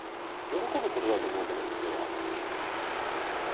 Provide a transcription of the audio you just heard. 喜ぶことだと思うけど俺は。